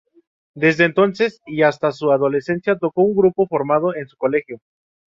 Desde entonces, y hasta su adolescencia, tocó en un grupo formado en su colegio.